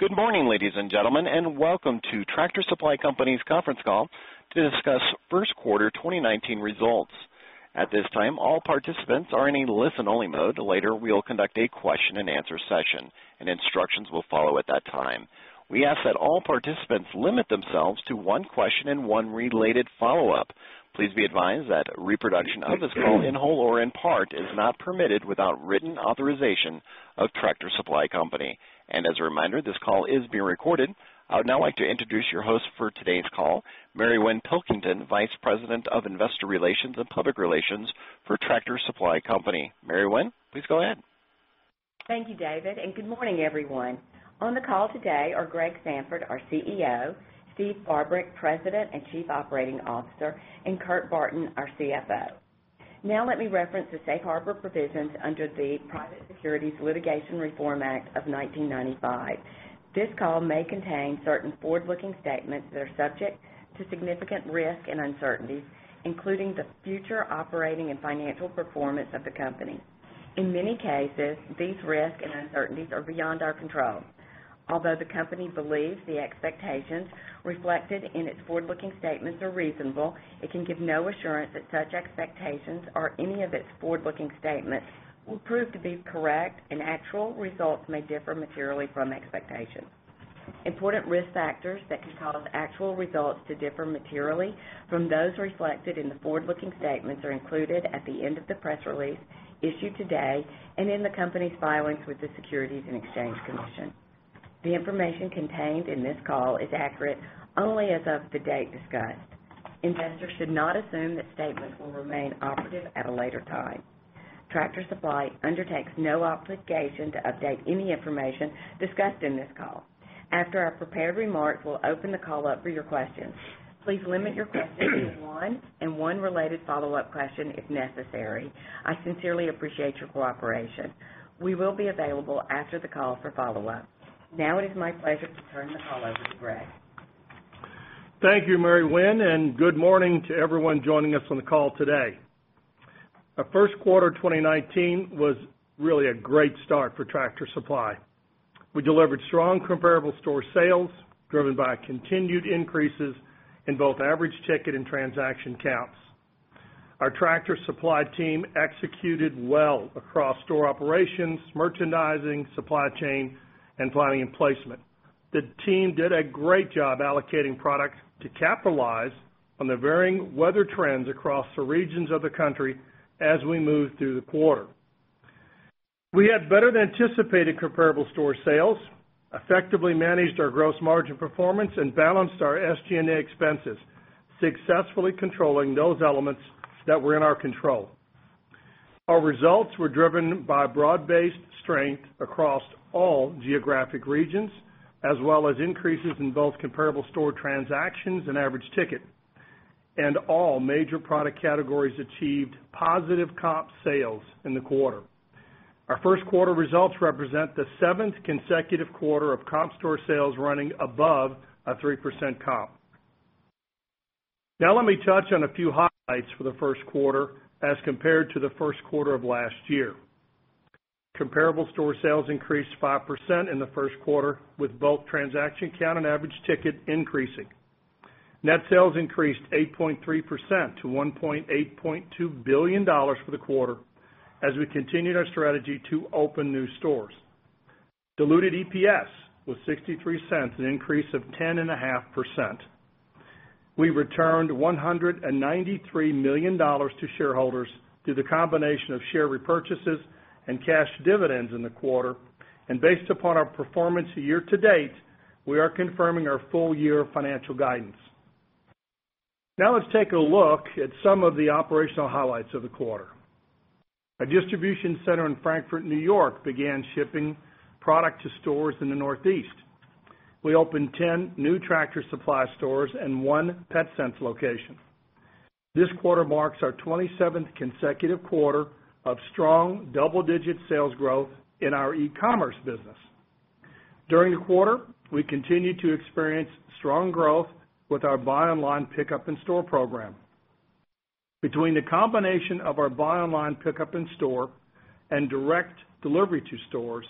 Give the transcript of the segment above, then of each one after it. Good morning, ladies and gentlemen, and welcome to Tractor Supply Company's conference call to discuss first quarter 2019 results. At this time, all participants are in a listen-only mode. Later, we'll conduct a question and answer session, and instructions will follow at that time. We ask that all participants limit themselves to one question and one related follow-up. Please be advised that reproduction of this call in whole or in part is not permitted without written authorization of Tractor Supply Company. As a reminder, this call is being recorded. I would now like to introduce your host for today's call, Mary Winn Pilkington, Vice President of Investor Relations and Public Relations for Tractor Supply Company. Mary Winn, please go ahead. Thank you, David, and good morning, everyone. On the call today are Greg Sandfort, our CEO, Steve Barbarick, President and Chief Operating Officer, and Kurt Barton, our CFO. Let me reference the safe harbor provisions under the Private Securities Litigation Reform Act of 1995. This call may contain certain forward-looking statements that are subject to significant risk and uncertainties, including the future operating and financial performance of the company. In many cases, these risks and uncertainties are beyond our control. Although the company believes the expectations reflected in its forward-looking statements are reasonable, it can give no assurance that such expectations or any of its forward-looking statements will prove to be correct, and actual results may differ materially from expectations. Important risk factors that could cause actual results to differ materially from those reflected in the forward-looking statements are included at the end of the press release issued today and in the company's filings with the Securities and Exchange Commission. The information contained in this call is accurate only as of the date discussed. Investors should not assume that statements will remain operative at a later time. Tractor Supply undertakes no obligation to update any information discussed in this call. After our prepared remarks, we'll open the call up for your questions. Please limit your question to one, and one related follow-up question if necessary. I sincerely appreciate your cooperation. We will be available after the call for follow-up. It is my pleasure to turn the call over to Greg. Thank you, Mary Winn, and good morning to everyone joining us on the call today. Our first quarter 2019 was really a great start for Tractor Supply. We delivered strong comparable store sales, driven by continued increases in both average ticket and transaction counts. Our Tractor Supply team executed well across store operations, merchandising, supply chain, and planning and placement. The team did a great job allocating products to capitalize on the varying weather trends across the regions of the country as we moved through the quarter. We had better-than-anticipated comparable store sales, effectively managed our gross margin performance, and balanced our SG&A expenses, successfully controlling those elements that were in our control. Our results were driven by broad-based strength across all geographic regions, as well as increases in both comparable store transactions and average ticket. All major product categories achieved positive comp sales in the quarter. Our first quarter results represent the seventh consecutive quarter of comp store sales running above a 3% comp. Let me touch on a few highlights for the first quarter as compared to the first quarter of last year. Comparable store sales increased 5% in the first quarter, with both transaction count and average ticket increasing. Net sales increased 8.3% to $1.82 billion for the quarter as we continued our strategy to open new stores. Diluted EPS was $0.63, an increase of 10.5%. We returned $193 million to shareholders through the combination of share repurchases and cash dividends in the quarter. Based upon our performance year to date, we are confirming our full-year financial guidance. Let's take a look at some of the operational highlights of the quarter. Our distribution center in Frankfort, N.Y., began shipping product to stores in the Northeast. We opened 10 new Tractor Supply stores and one Petsense location. This quarter marks our 27th consecutive quarter of strong, double-digit sales growth in our e-commerce business. During the quarter, we continued to experience strong growth with our buy online, pickup in store program. Between the combination of our buy online, pickup in store and direct delivery to stores,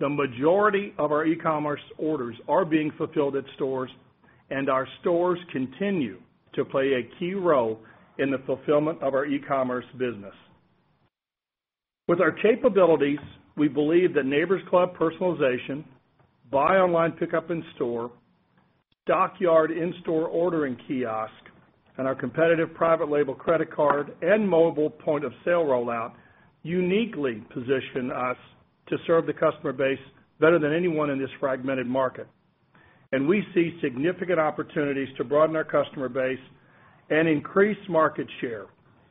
the majority of our e-commerce orders are being fulfilled at stores, and our stores continue to play a key role in the fulfillment of our e-commerce business. With our capabilities, we believe that Neighbor's Club personalization, buy online, pickup in store, Stockyard in-store ordering kiosk, and our competitive private label credit card and mobile point-of-sale rollout uniquely position us to serve the customer base better than anyone in this fragmented market. We see significant opportunities to broaden our customer base and increase market share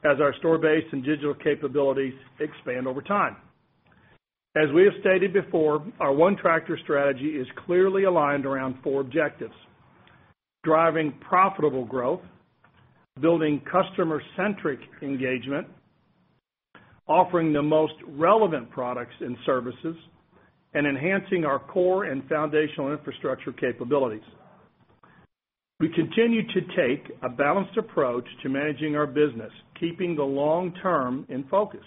as our store base and digital capabilities expand over time. As we have stated before, our ONETractor strategy is clearly aligned around four objectives: driving profitable growth, building customer-centric engagement, offering the most relevant products and services, and enhancing our core and foundational infrastructure capabilities. We continue to take a balanced approach to managing our business, keeping the long term in focus.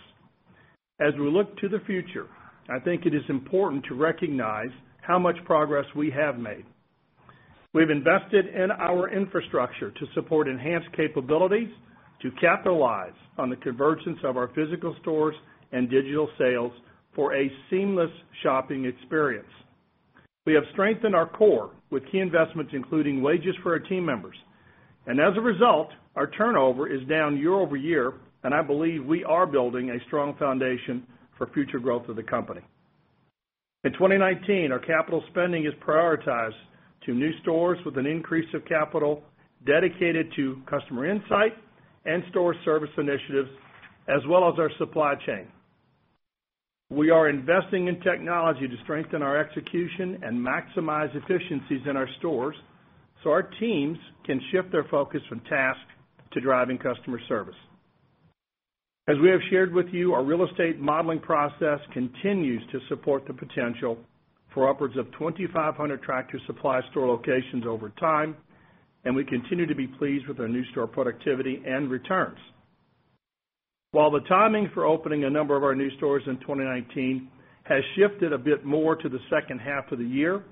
As we look to the future, I think it is important to recognize how much progress we have made. We've invested in our infrastructure to support enhanced capabilities to capitalize on the convergence of our physical stores and digital sales for a seamless shopping experience. We have strengthened our core with key investments, including wages for our team members, as a result, our turnover is down year-over-year, I believe we are building a strong foundation for future growth of the company. In 2019, our capital spending is prioritized to new stores with an increase of capital dedicated to customer insight and store service initiatives, as well as our supply chain. We are investing in technology to strengthen our execution and maximize efficiencies in our stores so our teams can shift their focus from task to driving customer service. As we have shared with you, our real estate modeling process continues to support the potential for upwards of 2,500 Tractor Supply store locations over time, and we continue to be pleased with our new store productivity and returns. While the timing for opening a number of our new stores in 2019 has shifted a bit more to the second half of the year,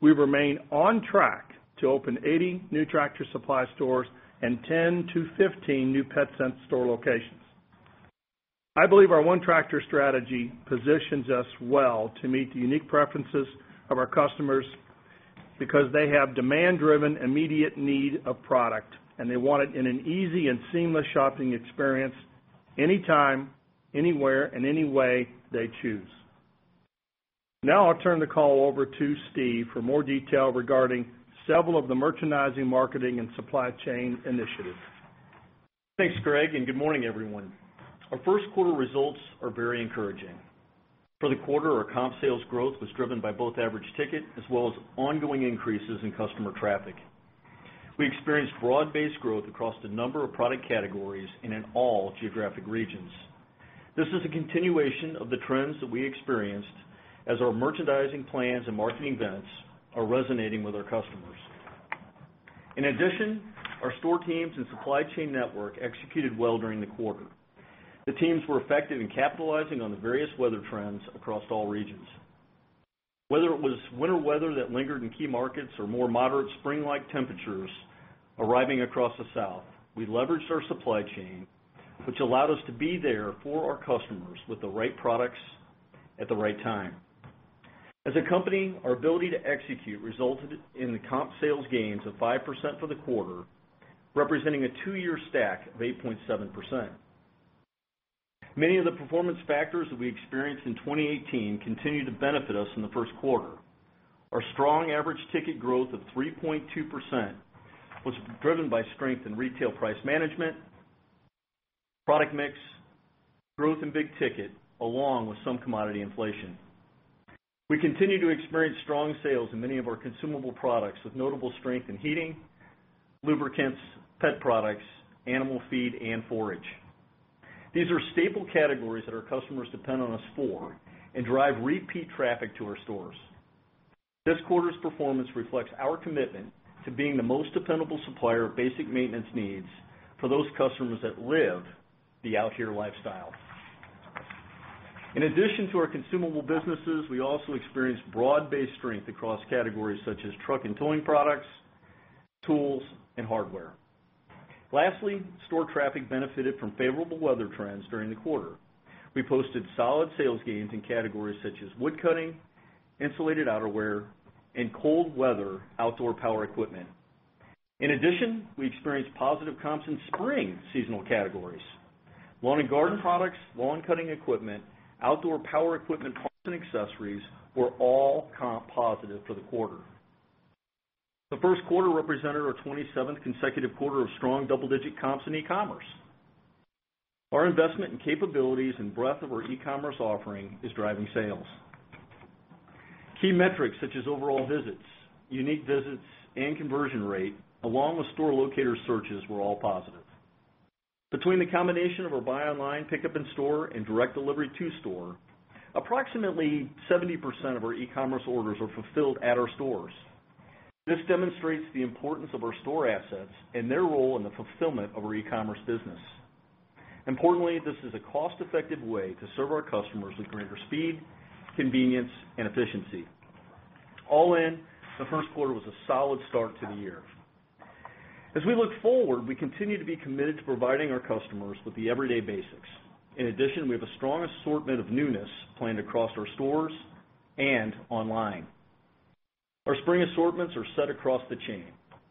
we remain on track to open 80 new Tractor Supply stores and 10 to 15 new Petsense store locations. I believe our ONETractor strategy positions us well to meet the unique preferences of our customers because they have demand-driven, immediate need of product, and they want it in an easy and seamless shopping experience anytime, anywhere, and any way they choose. I'll turn the call over to Steve for more detail regarding several of the merchandising, marketing, and supply chain initiatives. Thanks, Greg, and good morning, everyone. Our first quarter results are very encouraging. For the quarter, our comp sales growth was driven by both average ticket as well as ongoing increases in customer traffic. We experienced broad-based growth across the number of product categories and in all geographic regions. This is a continuation of the trends that we experienced as our merchandising plans and marketing events are resonating with our customers. In addition, our store teams and supply chain network executed well during the quarter. The teams were effective in capitalizing on the various weather trends across all regions. Whether it was winter weather that lingered in key markets or more moderate spring-like temperatures arriving across the south, we leveraged our supply chain, which allowed us to be there for our customers with the right products at the right time. As a company, our ability to execute resulted in the comp sales gains of 5% for the quarter, representing a two-year stack of 8.7%. Many of the performance factors that we experienced in 2018 continue to benefit us in the first quarter. Our strong average ticket growth of 3.2% was driven by strength in retail price management, product mix, growth in big ticket, along with some commodity inflation. We continue to experience strong sales in many of our consumable products, with notable strength in heating, lubricants, pet products, animal feed and forage. These are staple categories that our customers depend on us for and drive repeat traffic to our stores. This quarter's performance reflects our commitment to being the most dependable supplier of basic maintenance needs for those customers that live the Out Here lifestyle. In addition to our consumable businesses, we also experienced broad-based strength across categories such as truck and towing products, tools, and hardware. Lastly, store traffic benefited from favorable weather trends during the quarter. We posted solid sales gains in categories such as wood cutting, insulated outerwear, and cold weather outdoor power equipment. In addition, we experienced positive comps in spring seasonal categories. Lawn and garden products, lawn cutting equipment, outdoor power equipment parts and accessories were all comp positive for the quarter. The first quarter represented our 27th consecutive quarter of strong double-digit comps in e-commerce. Our investment in capabilities and breadth of our e-commerce offering is driving sales. Key metrics such as overall visits, unique visits, and conversion rate, along with store locator searches were all positive. Between the combination of our buy online, pickup in store, and direct delivery to store, approximately 70% of our e-commerce orders are fulfilled at our stores. This demonstrates the importance of our store assets and their role in the fulfillment of our e-commerce business. Importantly, this is a cost-effective way to serve our customers with greater speed, convenience, and efficiency. All in the first quarter was a solid start to the year. As we look forward, we continue to be committed to providing our customers with the everyday basics. In addition, we have a strong assortment of newness planned across our stores and online. Our spring assortments are set across the chain.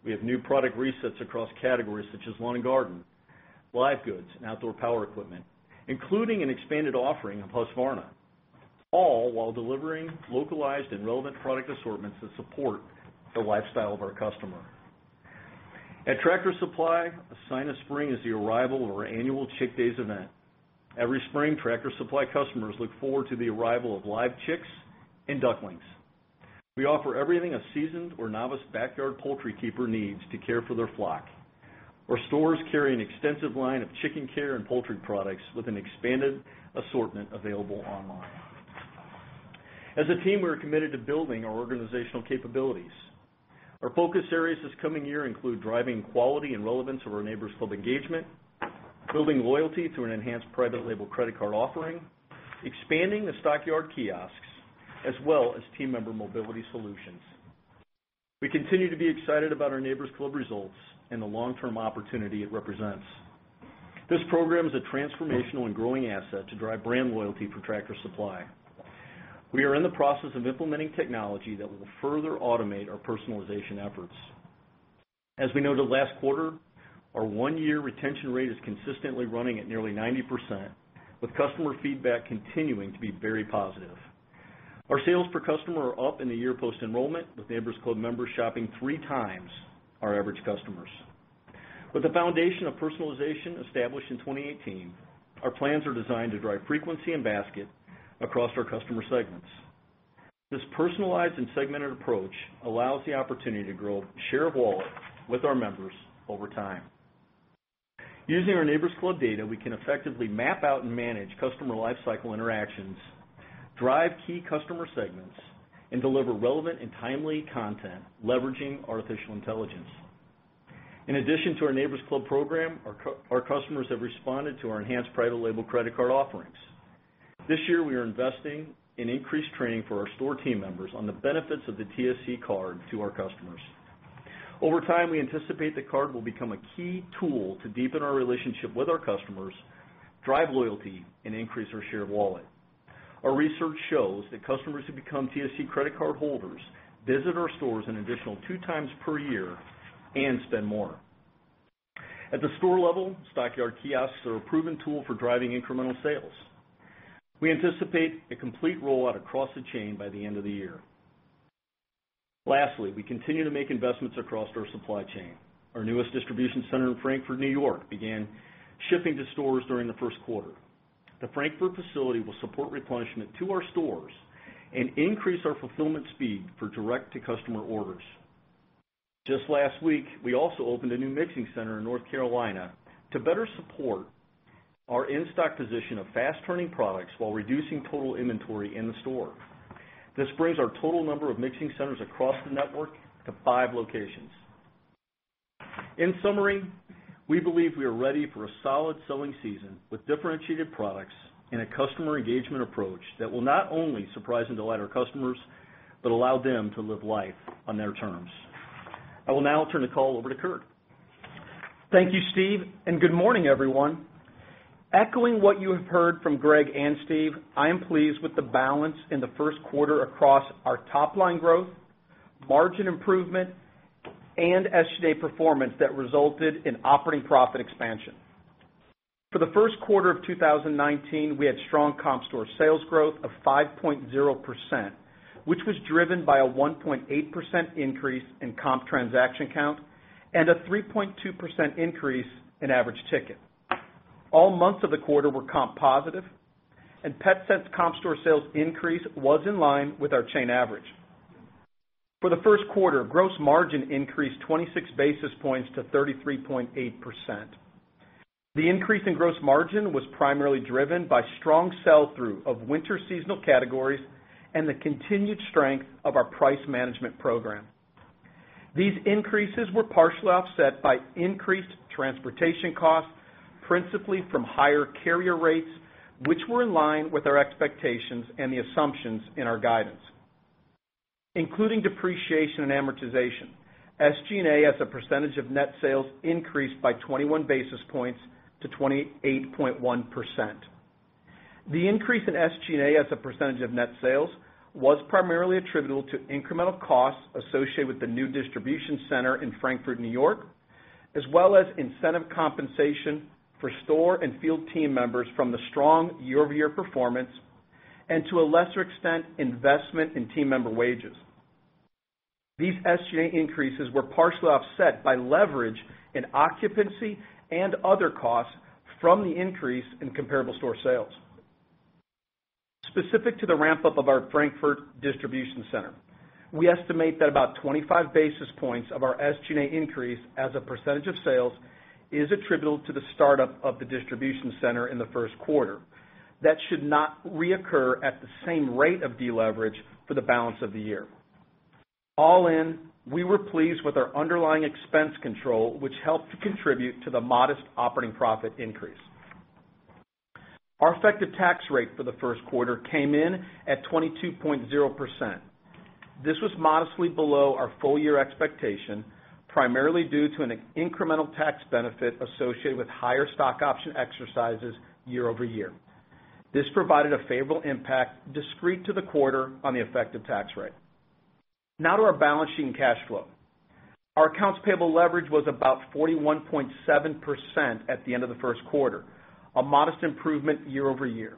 We have new product resets across categories such as lawn and garden, live goods, and outdoor power equipment, including an expanded offering of Husqvarna, all while delivering localized and relevant product assortments that support the lifestyle of our customer. At Tractor Supply, a sign of spring is the arrival of our annual Chick Days event. Every spring, Tractor Supply customers look forward to the arrival of live chicks and ducklings. We offer everything a seasoned or novice backyard poultry keeper needs to care for their flock. Our stores carry an extensive line of chicken care and poultry products with an expanded assortment available online. As a team, we are committed to building our organizational capabilities. Our focus areas this coming year include driving quality and relevance of our Neighbor's Club engagement, building loyalty through an enhanced private label credit card offering, expanding the Stockyard kiosks, as well as team member mobility solutions. We continue to be excited about our Neighbor's Club results and the long-term opportunity it represents. This program is a transformational and growing asset to drive brand loyalty for Tractor Supply. We are in the process of implementing technology that will further automate our personalization efforts. As we noted last quarter, our one-year retention rate is consistently running at nearly 90%, with customer feedback continuing to be very positive. Our sales per customer are up in the year post-enrollment, with Neighbor's Club members shopping three times our average customers. With the foundation of personalization established in 2018, our plans are designed to drive frequency and basket across our customer segments. This personalized and segmented approach allows the opportunity to grow share of wallet with our members over time. Using our Neighbor's Club data, we can effectively map out and manage customer lifecycle interactions, drive key customer segments, and deliver relevant and timely content leveraging artificial intelligence. In addition to our Neighbor's Club program, our customers have responded to our enhanced private label credit card offerings. This year, we are investing in increased training for our store team members on the benefits of the TSC card to our customers. Over time, we anticipate the card will become a key tool to deepen our relationship with our customers, drive loyalty, and increase our share of wallet. Our research shows that customers who become TSC credit card holders visit our stores an additional two times per year and spend more. At the store level, Stockyard kiosks are a proven tool for driving incremental sales. We anticipate a complete rollout across the chain by the end of the year. Lastly, we continue to make investments across our supply chain. Our newest distribution center in Frankfort, New York, began shipping to stores during the first quarter. The Frankfort facility will support replenishment to our stores and increase our fulfillment speed for direct-to-customer orders. Just last week, we also opened a new mixing center in North Carolina to better support our in-stock position of fast-turning products while reducing total inventory in the store. This brings our total number of mixing centers across the network to five locations. In summary, we believe we are ready for a solid selling season with differentiated products and a customer engagement approach that will not only surprise and delight our customers, but allow them to live life on their terms. I will now turn the call over to Kurt. Thank you, Steve, and good morning, everyone. Echoing what you have heard from Greg and Steve, I am pleased with the balance in the first quarter across our top-line growth, margin improvement, and SG&A performance that resulted in operating profit expansion. For the first quarter of 2019, we had strong comp store sales growth of 5.0%, which was driven by a 1.8% increase in comp transaction count and a 3.2% increase in average ticket. All months of the quarter were comp positive, and Petsense comp store sales increase was in line with our chain average. For the first quarter, gross margin increased 26 basis points to 33.8%. The increase in gross margin was primarily driven by strong sell-through of winter seasonal categories and the continued strength of our price management program. These increases were partially offset by increased transportation costs, principally from higher carrier rates, which were in line with our expectations and the assumptions in our guidance. Including depreciation and amortization, SG&A, as a percentage of net sales, increased by 21 basis points to 28.1%. The increase in SG&A as a percentage of net sales was primarily attributable to incremental costs associated with the new distribution center in Frankfort, New York, as well as incentive compensation for store and field team members from the strong year-over-year performance, and, to a lesser extent, investment in team member wages. These SG&A increases were partially offset by leverage in occupancy and other costs from the increase in comparable store sales. Specific to the ramp-up of our Frankfort distribution center, we estimate that about 25 basis points of our SG&A increase as a percentage of sales is attributable to the startup of the distribution center in the first quarter. That should not reoccur at the same rate of deleverage for the balance of the year. All in, we were pleased with our underlying expense control, which helped contribute to the modest operating profit increase. Our effective tax rate for the first quarter came in at 22.0%. This was modestly below our full-year expectation, primarily due to an incremental tax benefit associated with higher stock option exercises year-over-year. This provided a favorable impact discrete to the quarter on the effective tax rate. Now to our balance sheet and cash flow. Our accounts payable leverage was about 41.7% at the end of the first quarter, a modest improvement year-over-year.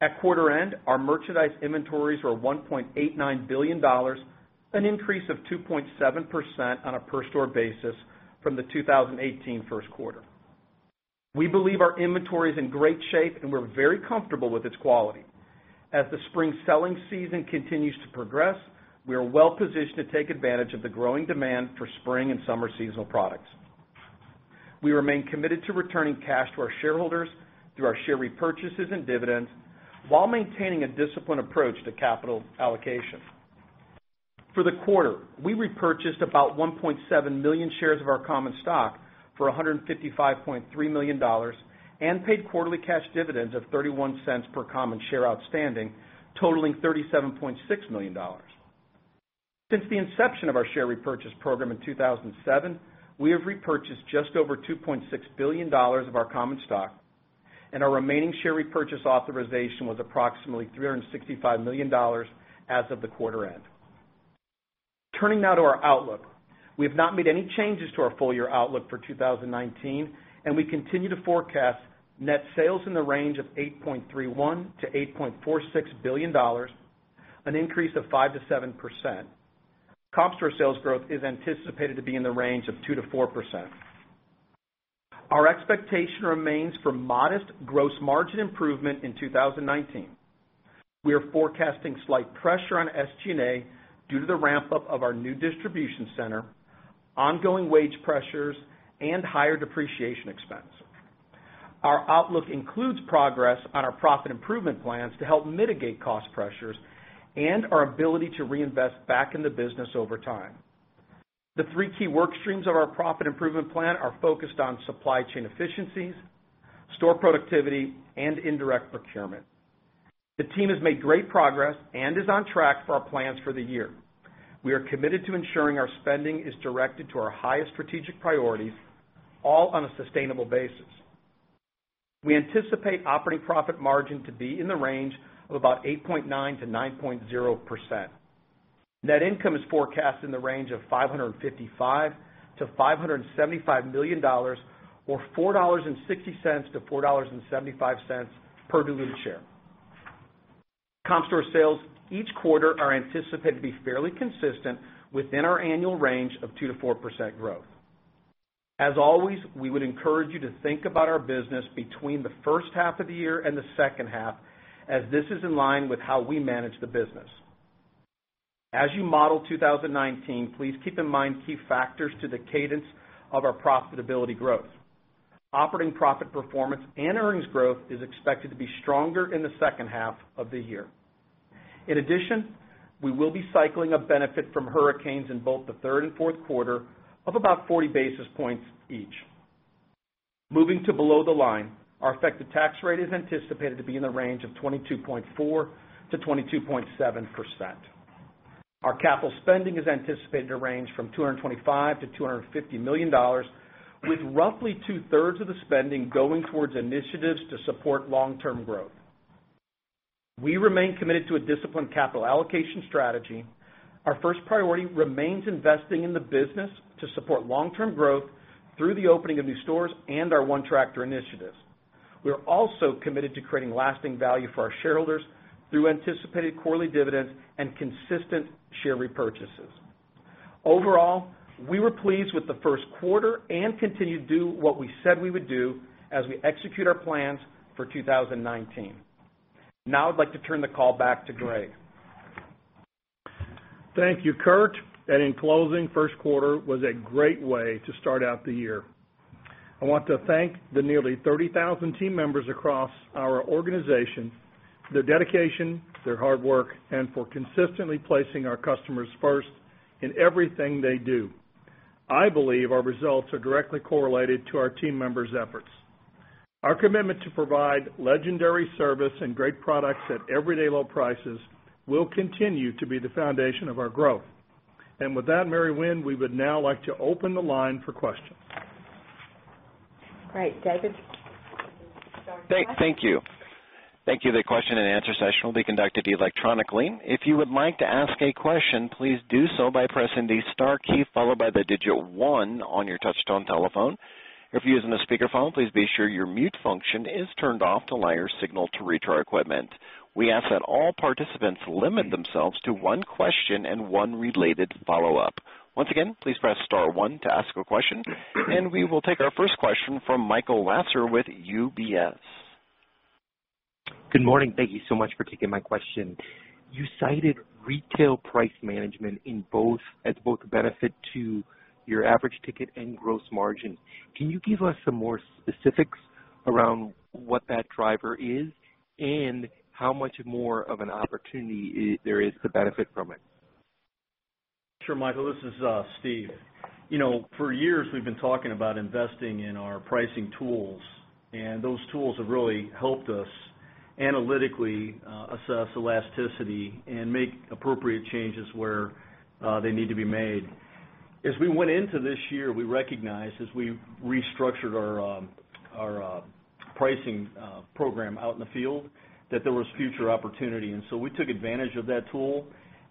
At quarter-end, our merchandise inventories were $1.89 billion, an increase of 2.7% on a per store basis from the 2018 first quarter. We believe our inventory is in great shape, and we're very comfortable with its quality. As the spring selling season continues to progress, we are well-positioned to take advantage of the growing demand for spring and summer seasonal products. We remain committed to returning cash to our shareholders through our share repurchases and dividends while maintaining a disciplined approach to capital allocation. For the quarter, we repurchased about 1.7 million shares of our common stock for $155.3 million and paid quarterly cash dividends of $0.31 per common share outstanding, totaling $37.6 million. Since the inception of our share repurchase program in 2007, we have repurchased just over $2.6 billion of our common stock, and our remaining share repurchase authorization was approximately $365 million as of the quarter-end. Turning now to our outlook. We have not made any changes to our full-year outlook for 2019, and we continue to forecast net sales in the range of $8.31 billion-$8.46 billion, an increase of 5%-7%. Comp store sales growth is anticipated to be in the range of 2%-4%. Our expectation remains for modest gross margin improvement in 2019. We are forecasting slight pressure on SG&A due to the ramp-up of our new distribution center, ongoing wage pressures, and higher depreciation expense. Our outlook includes progress on our profit improvement plans to help mitigate cost pressures and our ability to reinvest back in the business over time. The three key work streams of our profit improvement plan are focused on supply chain efficiencies, store productivity, and indirect procurement. The team has made great progress and is on track for our plans for the year. We are committed to ensuring our spending is directed to our highest strategic priorities, all on a sustainable basis. We anticipate operating profit margin to be in the range of about 8.9%-9.0%. Net income is forecast in the range of $555 million-$575 million, or $4.60-$4.75 per diluted share. Comp store sales each quarter are anticipated to be fairly consistent within our annual range of 2%-4% growth. As always, we would encourage you to think about our business between the first half of the year and the second half, as this is in line with how we manage the business. As you model 2019, please keep in mind key factors to the cadence of our profitability growth. Operating profit performance and earnings growth is expected to be stronger in the second half of the year. In addition, we will be cycling a benefit from hurricanes in both the third and fourth quarter of about 40 basis points each. Moving to below the line, our effective tax rate is anticipated to be in the range of 22.4%-22.7%. Our capital spending is anticipated to range from $225 million-$250 million, with roughly two-thirds of the spending going towards initiatives to support long-term growth. We remain committed to a disciplined capital allocation strategy. Our first priority remains investing in the business to support long-term growth through the opening of new stores and our ONETractor initiatives. We're also committed to creating lasting value for our shareholders through anticipated quarterly dividends and consistent share repurchases. Overall, we were pleased with the first quarter and continue to do what we said we would do as we execute our plans for 2019. I'd like to turn the call back to Greg. Thank you, Kurt. In closing, first quarter was a great way to start out the year. I want to thank the nearly 30,000 team members across our organization for their dedication, their hard work, and for consistently placing our customers first in everything they do. I believe our results are directly correlated to our team members' efforts. Our commitment to provide legendary service and great products at everyday low prices will continue to be the foundation of our growth. With that, Mary Winn, we would now like to open the line for questions. Great. David, you can start us off. Thank you. Thank you. The question and answer session will be conducted electronically. If you would like to ask a question, please do so by pressing the star key followed by the digit one on your touch-tone telephone. If you're using a speakerphone, please be sure your mute function is turned off to allow your signal to reach our equipment. We ask that all participants limit themselves to one question and one related follow-up. Once again, please press star one to ask a question. We will take our first question from Michael Lasser with UBS. Good morning. Thank you so much for taking my question. You cited retail price management as both a benefit to your average ticket and gross margin. Can you give us some more specifics around what that driver is and how much more of an opportunity there is to benefit from it? Sure, Michael. This is Steve. For years, we've been talking about investing in our pricing tools. Those tools have really helped us analytically assess elasticity and make appropriate changes where they need to be made. As we went into this year, we recognized as we restructured our pricing program out in the field that there was future opportunity. We took advantage of that tool.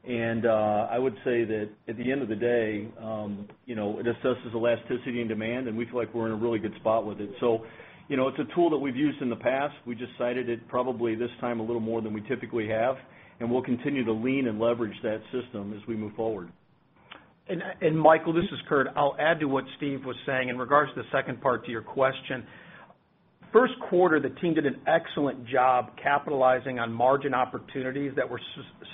I would say that at the end of the day, it assesses elasticity and demand. We feel like we're in a really good spot with it. It's a tool that we've used in the past. We just cited it probably this time a little more than we typically have. We'll continue to lean and leverage that system as we move forward. Michael, this is Kurt. I'll add to what Steve was saying in regards to the second part to your question. First quarter, the team did an excellent job capitalizing on margin opportunities that were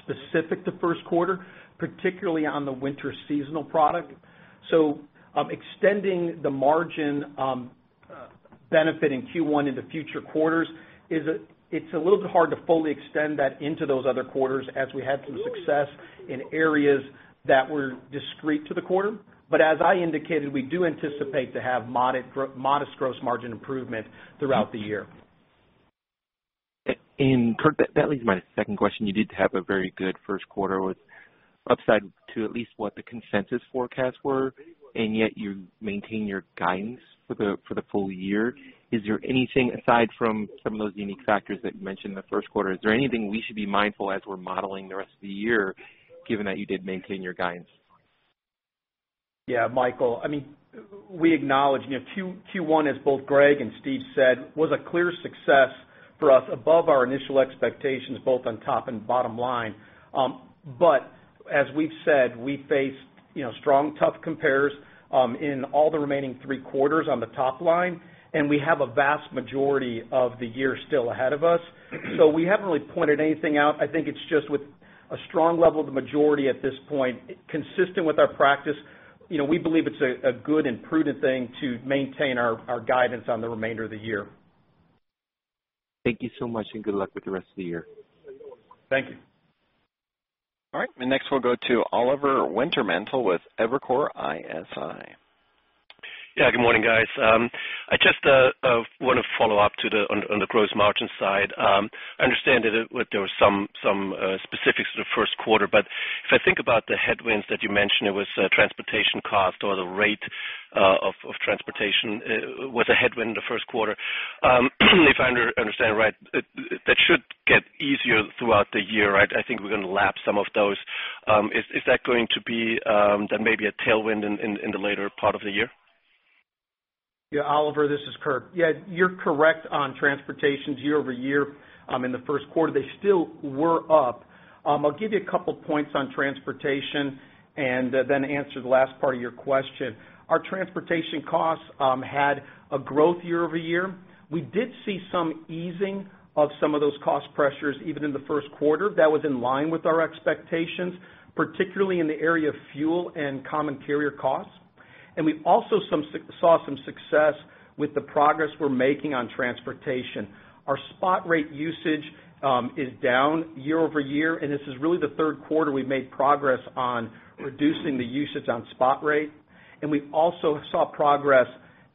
specific to first quarter, particularly on the winter seasonal product. Extending the margin benefit in Q1 into future quarters, it's a little bit hard to fully extend that into those other quarters as we had some success in areas that were discrete to the quarter. As I indicated, we do anticipate to have modest gross margin improvement throughout the year. Kurt, that leads to my second question. You did have a very good first quarter with upside to at least what the consensus forecasts were, you maintain your guidance for the full year. Is there anything, aside from some of those unique factors that you mentioned in the first quarter, is there anything we should be mindful as we're modeling the rest of the year, given that you did maintain your guidance? Yeah, Michael. We acknowledge Q1, as both Greg and Steve said, was a clear success for us above our initial expectations, both on top and bottom line. As we've said, we face strong, tough compares in all the remaining three quarters on the top line, we have a vast majority of the year still ahead of us. We haven't really pointed anything out. I think it's just with a strong level of the majority at this point, consistent with our practice. We believe it's a good and prudent thing to maintain our guidance on the remainder of the year. Thank you so much, good luck with the rest of the year. Thank you. All right. Next we'll go to Oliver Wintermantel with Evercore ISI. Yeah, good morning, guys. I just want to follow up on the gross margin side. I understand that there was some specifics to the first quarter, but if I think about the headwinds that you mentioned, it was transportation cost or the rate of transportation was a headwind in the first quarter. If I understand right, that should get easier throughout the year, right? I think we're going to lap some of those. Is that going to be then maybe a tailwind in the later part of the year? Oliver, this is Kurt. You're correct on transportations year-over-year. In the first quarter, they still were up. I'll give you a couple points on transportation and then answer the last part of your question. Our transportation costs had a growth year-over-year. We did see some easing of some of those cost pressures even in the first quarter. That was in line with our expectations, particularly in the area of fuel and common carrier costs. We also saw some success with the progress we're making on transportation. Our spot rate usage is down year-over-year, and this is really the third quarter we've made progress on reducing the usage on spot rate. We also saw progress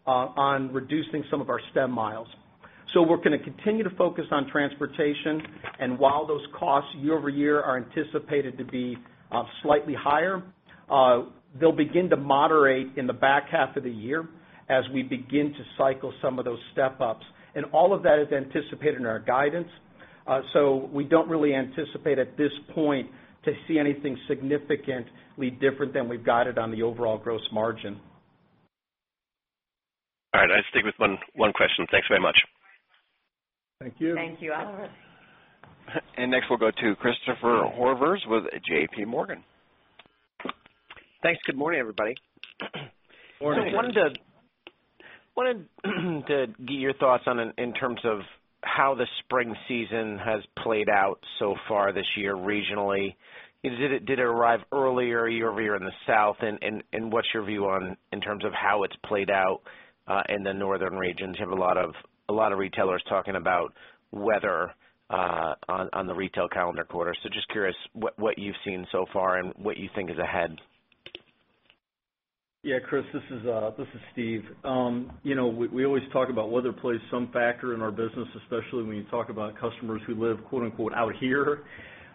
on reducing some of our stem miles. We're going to continue to focus on transportation, and while those costs year-over-year are anticipated to be slightly higher, they'll begin to moderate in the back half of the year as we begin to cycle some of those step-ups. All of that is anticipated in our guidance. We don't really anticipate at this point to see anything significantly different than we've guided on the overall gross margin. All right. I'll stick with one question. Thanks very much. Thank you. Thank you, Oliver. Next we'll go to Christopher Horvers with JPMorgan. Thanks. Good morning, everybody. Morning, Chris. I wanted to get your thoughts in terms of how the spring season has played out so far this year regionally. Did it arrive earlier year-over-year in the south, and what's your view in terms of how it's played out in the northern regions? You have a lot of retailers talking about weather on the retail calendar quarter. Just curious what you've seen so far and what you think is ahead. Yeah, Chris, this is Steve. We always talk about weather plays some factor in our business, especially when you talk about customers who live, quote unquote, "out here."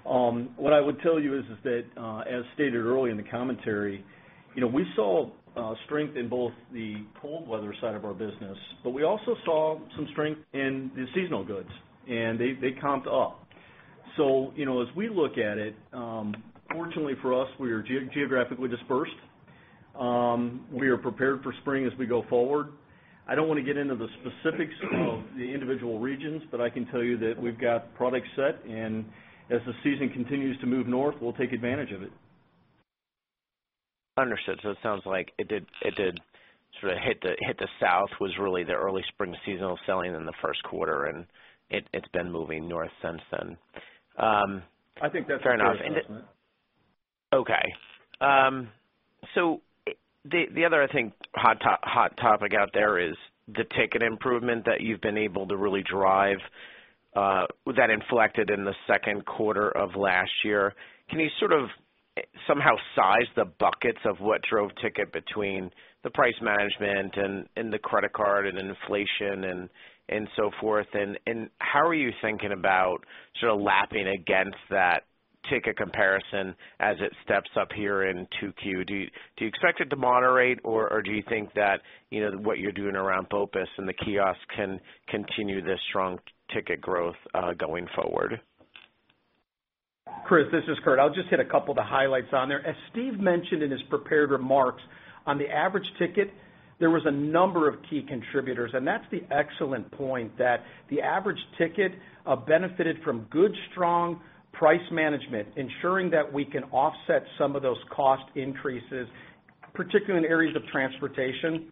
What I would tell you is that, as stated early in the commentary, we saw strength in both the cold weather side of our business, but we also saw some strength in the seasonal goods, and they comped up. As we look at it, fortunately for us, we are geographically dispersed. We are prepared for spring as we go forward. I don't want to get into the specifics of the individual regions, but I can tell you that we've got products set, and as the season continues to move north, we'll take advantage of it. Understood. It sounds like it did sort of hit the south, was really the early spring seasonal selling in the first quarter, and it has been moving north since then. I think that's a fair assessment. Okay. The other, I think, hot topic out there is the ticket improvement that you've been able to really drive that inflected in the second quarter of last year. Can you sort of somehow size the buckets of what drove ticket between the price management, the credit card, and inflation, and so forth? How are you thinking about sort of lapping against that ticket comparison as it steps up here in 2Q? Do you expect it to moderate, or do you think that what you're doing around BOPIS and the kiosk can continue this strong ticket growth going forward? Chris, this is Kurt. I will just hit a couple of the highlights on there. As Steve mentioned in his prepared remarks, on the average ticket, there was a number of key contributors, and that's the excellent point, that the average ticket benefited from good, strong price management, ensuring that we can offset some of those cost increases, particularly in areas of transportation.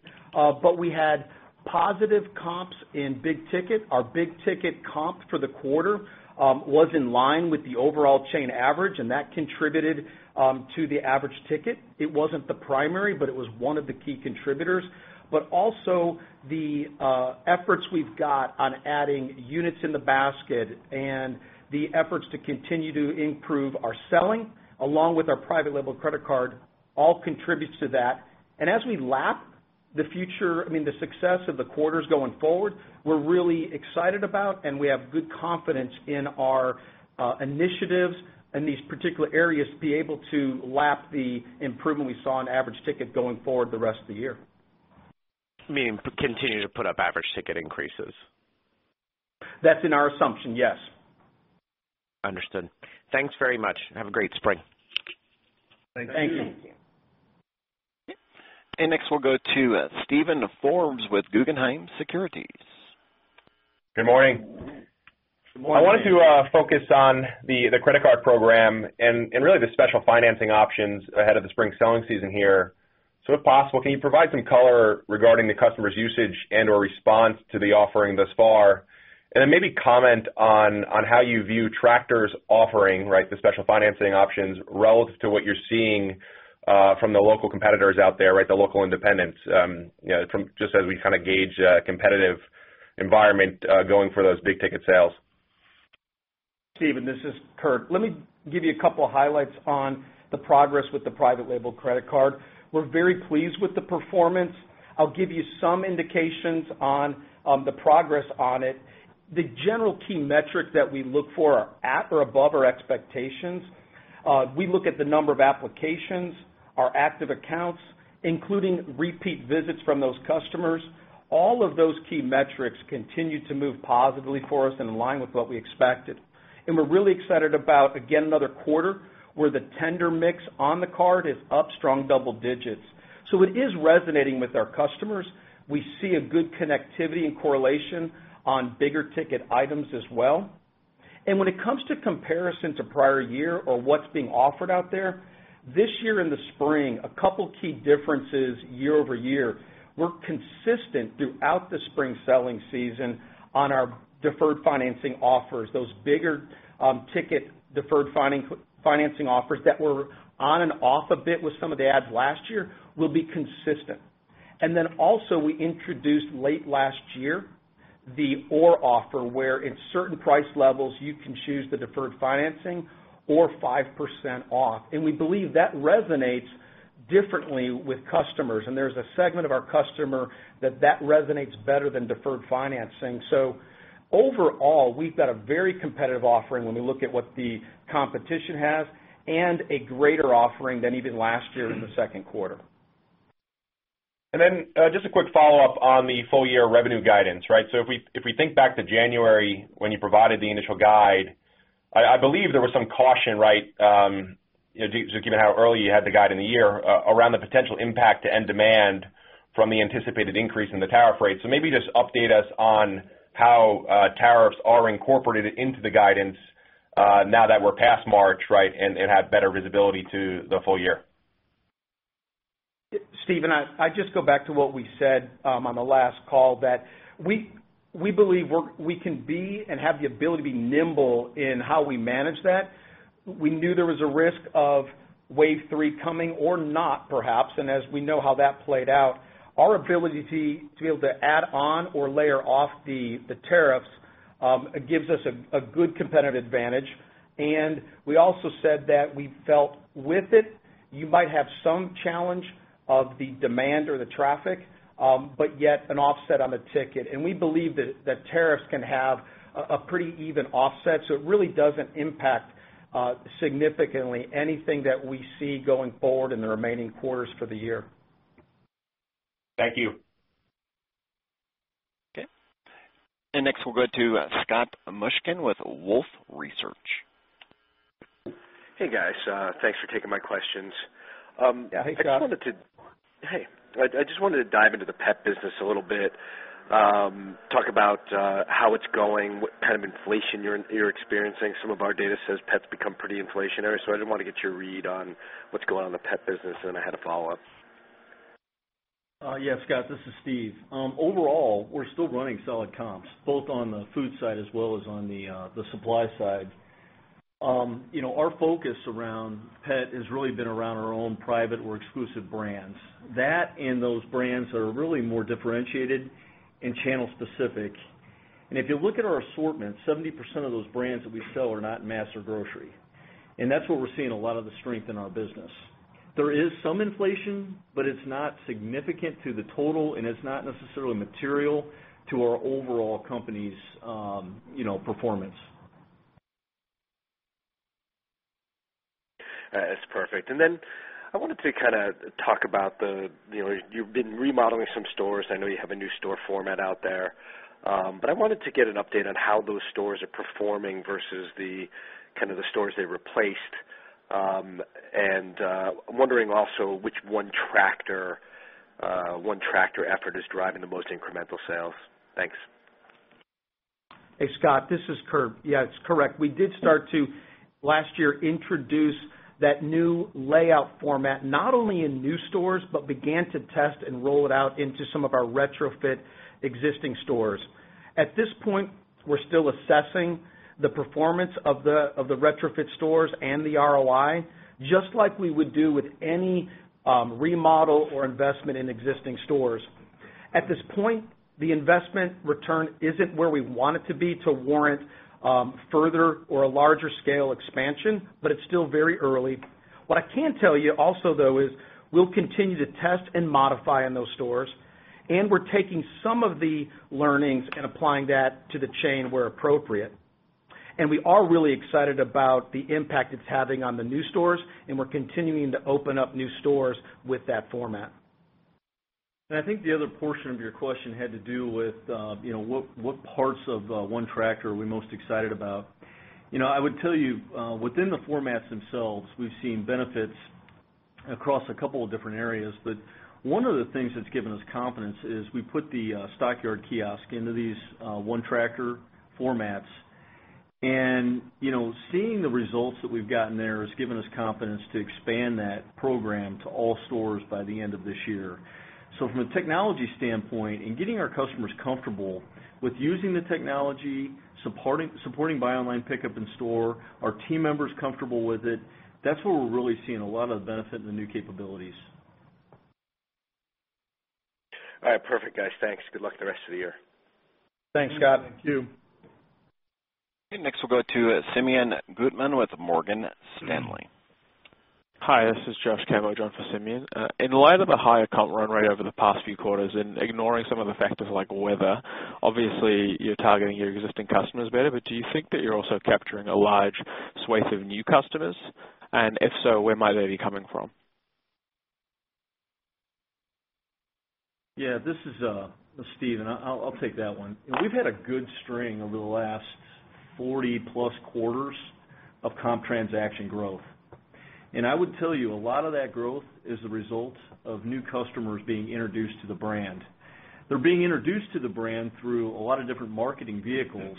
We had positive comps in big ticket. Our big ticket comp for the quarter was in line with the overall chain average, and that contributed to the average ticket. It wasn't the primary, but it was one of the key contributors. Also the efforts we've got on adding units in the basket and the efforts to continue to improve our selling, along with our private label credit card, all contributes to that. As we lap the future, the success of the quarters going forward, we're really excited about and we have good confidence in our initiatives and these particular areas to be able to lap the improvement we saw in average ticket going forward the rest of the year. Meaning continue to put up average ticket increases? That's in our assumption, yes. Understood. Thanks very much. Have a great spring. Thank you. Thank you. Next we'll go to Steven Forbes with Guggenheim Securities. Good morning. Good morning. I wanted to focus on the credit card program and really the special financing options ahead of the spring selling season here. If possible, can you provide some color regarding the customer's usage and/or response to the offering thus far? Comment on how you view Tractor's offering, the special financing options, relative to what you're seeing from the local competitors out there, the local independents, just as we gauge competitive environment going for those big-ticket sales. Steve, this is Kurt. Let me give you a couple of highlights on the progress with the private label credit card. We're very pleased with the performance. I'll give you some indications on the progress on it. The general key metric that we look for are at or above our expectations. We look at the number of applications, our active accounts, including repeat visits from those customers. All of those key metrics continue to move positively for us in line with what we expected. We're really excited about, again, another quarter where the tender mix on the card is up strong double digits. It is resonating with our customers. We see a good connectivity and correlation on bigger-ticket items as well. When it comes to comparison to prior year or what's being offered out there, this year in the spring, a couple key differences year-over-year. We're consistent throughout the spring selling season on our deferred financing offers. Those bigger-ticket deferred financing offers that were on and off a bit with some of the ads last year, will be consistent. Also, we introduced late last year, the or offer, where in certain price levels, you can choose the deferred financing or 5% off. We believe that resonates differently with customers. There's a segment of our customer that that resonates better than deferred financing. Overall, we've got a very competitive offering when we look at what the competition has and a greater offering than even last year in the second quarter. Just a quick follow-up on the full-year revenue guidance. If we think back to January when you provided the initial guide, I believe there was some caution, given how early you had the guide in the year, around the potential impact to end demand from the anticipated increase in the tariff rates. Maybe just update us on how tariffs are incorporated into the guidance, now that we're past March, and have better visibility to the full year. Steven, I'd just go back to what we said on the last call that we believe we can be and have the ability to be nimble in how we manage that. We knew there was a risk of wave three coming or not, perhaps. As we know how that played out, our ability to be able to add on or layer off the tariffs, gives us a good competitive advantage. We also said that we felt with it, you might have some challenge of the demand or the traffic, but yet an offset on the ticket. We believe that tariffs can have a pretty even offset. It really doesn't impact significantly anything that we see going forward in the remaining quarters for the year. Thank you. Okay. Next we'll go to Scott Mushkin with Wolfe Research. Hey, guys. Thanks for taking my questions. Yeah. Hey, Scott. Hey. I just wanted to dive into the pet business a little bit. Talk about how it's going, what kind of inflation you're experiencing. Some of our data says pets become pretty inflationary, so I just wanted to get your read on what's going on in the pet business, and I had a follow-up. Yeah, Scott, this is Steve. Overall, we're still running solid comps, both on the food side as well as on the supply side. Our focus around pet has really been around our own private or exclusive brands. That and those brands are really more differentiated and channel specific. If you look at our assortment, 70% of those brands that we sell are not mass or grocery. That's where we're seeing a lot of the strength in our business. There is some inflation, but it's not significant to the total, and it's not necessarily material to our overall company's performance. That's perfect. I wanted to talk about the You've been remodeling some stores. I know you have a new store format out there. I wanted to get an update on how those stores are performing versus the stores they replaced. I'm wondering also which ONETractor effort is driving the most incremental sales. Thanks. Hey, Scott, this is Kurt. Yeah, it's correct. We did start to, last year, introduce that new layout format, not only in new stores, but began to test and roll it out into some of our retrofit existing stores. At this point, we're still assessing the performance of the retrofit stores and the ROI, just like we would do with any remodel or investment in existing stores. At this point, the investment return isn't where we want it to be to warrant further or a larger scale expansion, but it's still very early. What I can tell you also, though, is we'll continue to test and modify in those stores, and we're taking some of the learnings and applying that to the chain where appropriate. We are really excited about the impact it's having on the new stores, and we're continuing to open up new stores with that format. I think the other portion of your question had to do with what parts of the ONETractor are we most excited about. I would tell you, within the formats themselves, we've seen benefits across a couple of different areas, but one of the things that's given us confidence is we put the Stockyard kiosk into these ONETractor formats. Seeing the results that we've gotten there has given us confidence to expand that program to all stores by the end of this year. From a technology standpoint and getting our customers comfortable with using the technology, supporting buy online pickup in store, our team members comfortable with it, that's where we're really seeing a lot of the benefit in the new capabilities. All right. Perfect, guys. Thanks. Good luck the rest of the year. Thanks, Scott. Thank you. Next, we'll go to Simeon Gutman with Morgan Stanley. Hi, this is Josh Kamboj joining for Simeon. In light of the higher comp run rate over the past few quarters and ignoring some of the factors like weather, obviously you're targeting your existing customers better, but do you think that you're also capturing a large swathe of new customers? If so, where might they be coming from? Yeah. This is Steve, I'll take that one. We've had a good string over the last 40-plus quarters of comp transaction growth. I would tell you a lot of that growth is the result of new customers being introduced to the brand. They're being introduced to the brand through a lot of different marketing vehicles.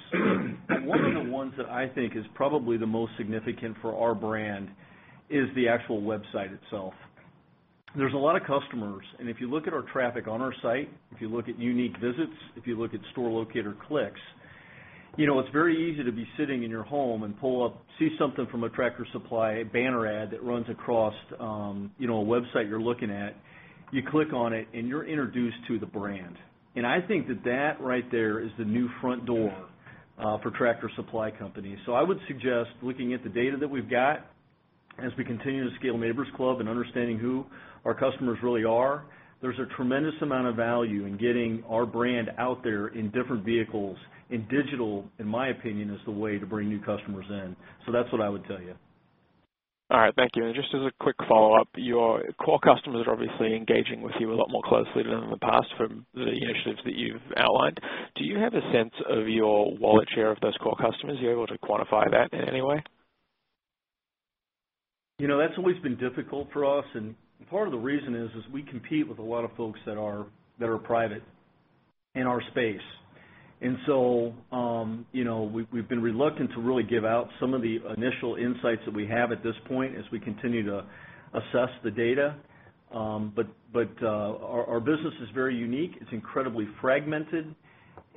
One of the ones that I think is probably the most significant for our brand is the actual website itself. There's a lot of customers, if you look at our traffic on our site, if you look at unique visits, if you look at store locator clicks, it's very easy to be sitting in your home and see something from a Tractor Supply banner ad that runs across a website you're looking at. You click on it, you're introduced to the brand. I think that that right there is the new front door for Tractor Supply Company. I would suggest looking at the data that we've got as we continue to scale Neighbor's Club and understanding who our customers really are. There's a tremendous amount of value in getting our brand out there in different vehicles, digital, in my opinion, is the way to bring new customers in. That's what I would tell you. All right. Thank you. Just as a quick follow-up, your core customers are obviously engaging with you a lot more closely than in the past from the initiatives that you've outlined. Do you have a sense of your wallet share of those core customers? Are you able to quantify that in any way? That's always been difficult for us, part of the reason is we compete with a lot of folks that are private in our space. We've been reluctant to really give out some of the initial insights that we have at this point as we continue to assess the data. Our business is very unique. It's incredibly fragmented,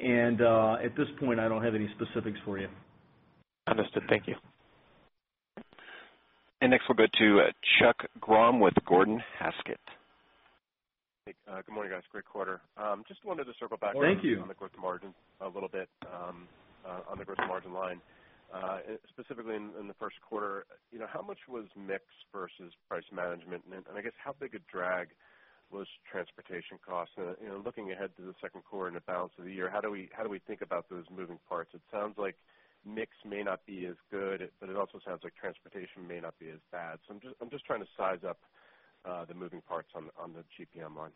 at this point, I don't have any specifics for you. Understood. Thank you. Next, we'll go to Chuck Grom with Gordon Haskett. Hey. Good morning, guys. Great quarter. Thank you. Just wanted to circle back on the gross margin a little bit on the gross margin line, specifically in the first quarter. How much was mix versus price management? I guess how big a drag was transportation costs? Looking ahead to the second quarter and the balance of the year, how do we think about those moving parts? It sounds like mix may not be as good, but it also sounds like transportation may not be as bad. I'm just trying to size up the moving parts on the GPM line.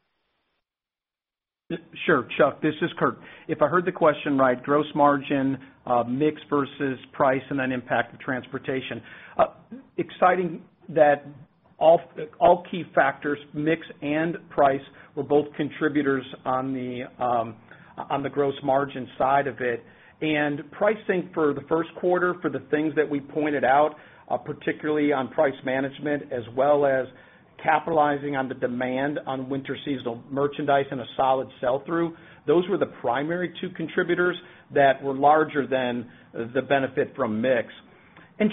Sure, Chuck, this is Kurt. If I heard the question right, gross margin mix versus price and then impact of transportation. Exciting that all key factors, mix and price, were both contributors on the gross margin side of it. Pricing for the first quarter for the things that we pointed out, particularly on price management as well as capitalizing on the demand on winter seasonal merchandise and a solid sell-through, those were the primary two contributors that were larger than the benefit from mix.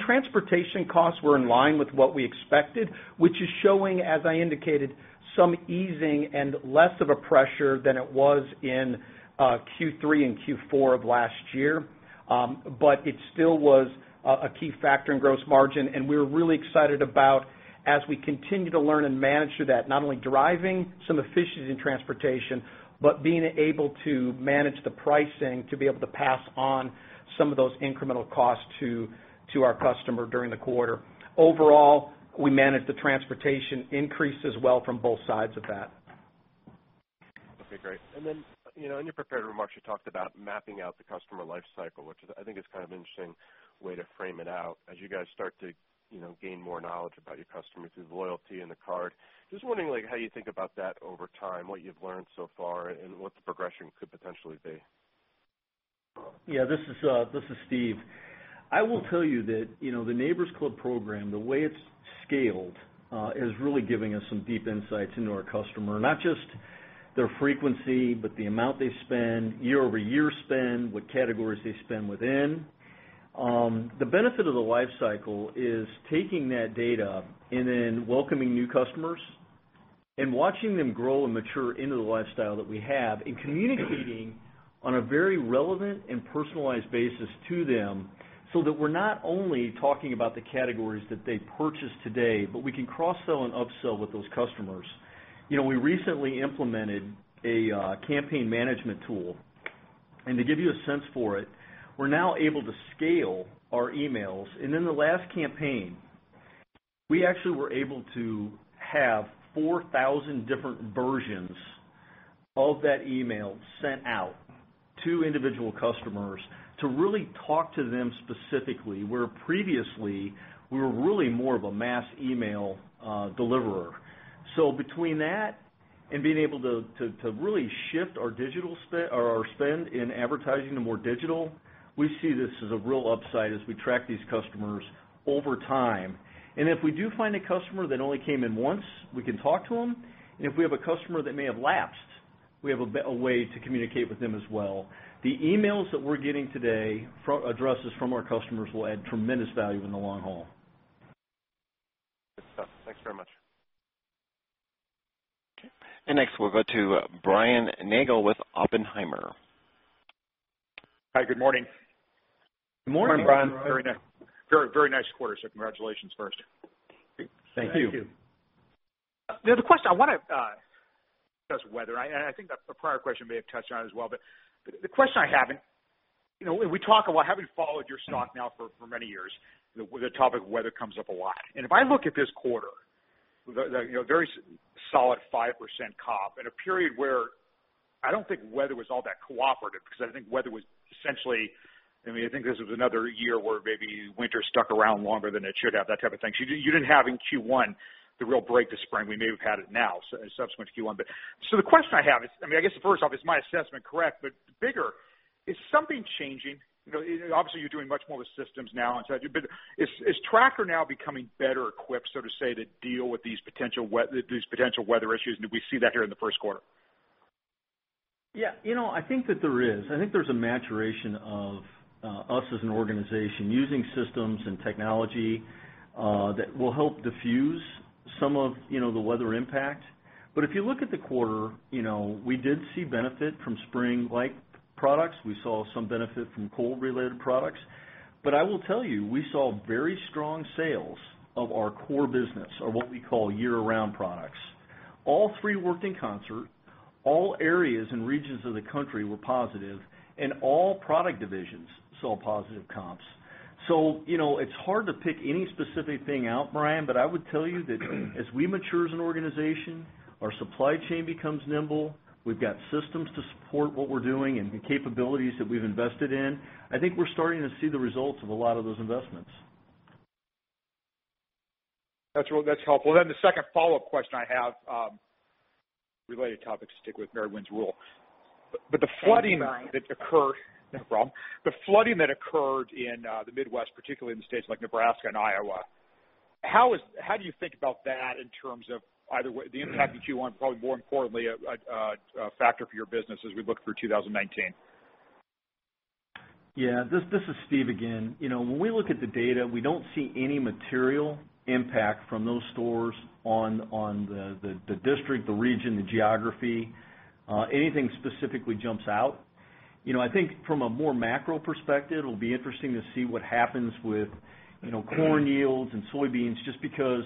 Transportation costs were in line with what we expected, which is showing, as I indicated, some easing and less of a pressure than it was in Q3 and Q4 of last year. It still was a key factor in gross margin, and we're really excited about as we continue to learn and manage through that, not only driving some efficiency in transportation but being able to manage the pricing to be able to pass on some of those incremental costs to our customer during the quarter. Overall, we managed the transportation increase as well from both sides of that. Okay, great. Then in your prepared remarks, you talked about mapping out the customer life cycle, which I think is an interesting way to frame it out as you guys start to gain more knowledge about your customers through the loyalty and the card. Just wondering how you think about that over time, what you've learned so far, and what the progression could potentially be. This is Steve. I will tell you that the Neighbor's Club program, the way it's scaled, is really giving us some deep insights into our customer, not just their frequency, but the amount they spend, year-over-year spend, what categories they spend within. The benefit of the life cycle is taking that data and then welcoming new customers and watching them grow and mature into the lifestyle that we have and communicating on a very relevant and personalized basis to them, so that we're not only talking about the categories that they purchase today, but we can cross-sell and upsell with those customers. We recently implemented a campaign management tool, and to give you a sense for it, we're now able to scale our emails. In the last campaign, we actually were able to have 4,000 different versions of that email sent out to individual customers to really talk to them specifically, where previously we were really more of a mass email deliverer. Between that and being able to really shift our spend in advertising to more digital, we see this as a real upside as we track these customers over time. If we do find a customer that only came in once, we can talk to them. If we have a customer that may have lapsed, we have a way to communicate with them as well. The emails that we're getting today, addresses from our customers, will add tremendous value in the long haul. Good stuff. Thanks very much. Okay. Next, we'll go to Brian Nagel with Oppenheimer. Hi, good morning. Good morning, Brian. Very nice quarter, so congratulations first. Thank you. The other question I want to discuss weather, I think that's a prior question you may have touched on as well, the question I have, we talk about having followed your stock now for many years, the topic of weather comes up a lot. If I look at this quarter, very solid 5% comp in a period where I don't think weather was all that cooperative because I think weather was essentially I think this was another year where maybe winter stuck around longer than it should have, that type of thing. You didn't have in Q1 the real break to spring. We may have had it now, subsequent to Q1. The question I have is, I guess first off, is my assessment correct, bigger, is something changing? Obviously, you're doing much more with systems now, is Tractor now becoming better equipped, so to say, to deal with these potential weather issues? Did we see that here in the first quarter? Yeah, I think that there is. I think there's a maturation of us as an organization using systems and technology that will help diffuse some of the weather impact. If you look at the quarter, we did see benefit from spring-like products. We saw some benefit from cold-related products. I will tell you, we saw very strong sales of our core business or what we call year-round products. All three worked in concert. All areas and regions of the country were positive, all product divisions saw positive comps. It's hard to pick any specific thing out, Brian, I would tell you that as we mature as an organization, our supply chain becomes nimble. We've got systems to support what we're doing and the capabilities that we've invested in. I think we're starting to see the results of a lot of those investments. That's helpful. The second follow-up question I have, related topic to stick with Mary Winn's rule. The flooding that occurred- Thank you, Brian. No problem. The flooding that occurred in the Midwest, particularly in the states like Nebraska and Iowa, how do you think about that in terms of either way, the impact of Q1, probably more importantly, a factor for your business as we look through 2019? Yeah. This is Steve again. When we look at the data, we don't see any material impact from those stores on the district, the region, the geography, anything specifically jumps out. I think from a more macro perspective, it'll be interesting to see what happens with corn yields and soybeans just because